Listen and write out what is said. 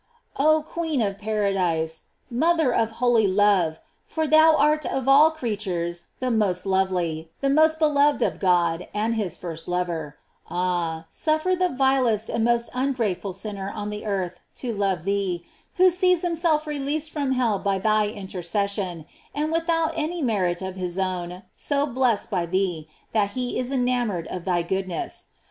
Oh queen of paradise! mother of holy love! for thou art of all creatures the most love ly, the most beloved of God and his first lover; ah, suffer the vilest and most ungrateful sinner on the earth to love thee, who sees himself re leased from hell by thy intercession, and with out any merit of his own so blessed by thee, that he is enamored of thy goodness.